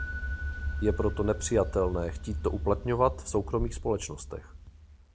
Je proto nepřijatelné chtít to uplatňovat v soukromých společnostech.